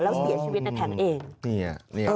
แล้วเสียชีวิตในแทงเอง